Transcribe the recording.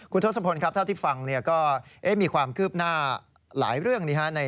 คุณทศพลครับเท่าที่ฟังก็มีความคืบหน้าหลายเรื่องนี้